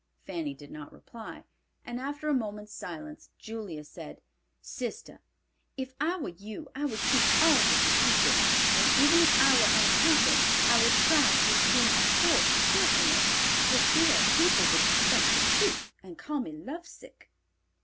Fanny did not reply, and after a moment's silence Julia said, "Sister, if I were you I would keep all this a secret, and even if I were unhappy, I would try to assume a forced cheerfulness, for fear people would suspect the truth, and call me lovesick."